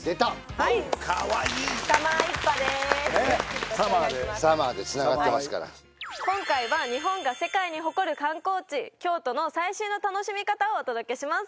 はいさまぁ一派です「サマー」で「サマー」でつながってますから今回は日本が世界に誇る観光地京都の最新の楽しみ方をお届けします